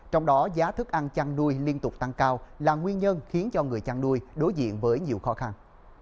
trong đó giá thức ăn chăn nuôi liên tục tăng cao là nguyên nhân khiến cho người chăn nuôi đối diện với nhiều khó khăn